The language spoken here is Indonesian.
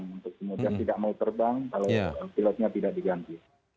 untuk kemudian tidak mau terbang kalau pilotnya tidak diganti